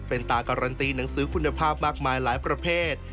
เป็นตาการันตีหนังสือคุณภาพมากมายหลายประเภท